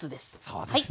そうですね。